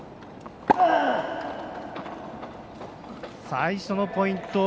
最初のポイント。